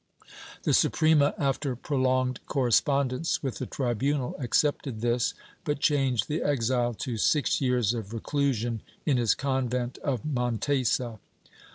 The Suprema, after prolonged correspondence with the tribunal, accepted this, but changed the exile to six years of reclusion in his convent of Mon tesa.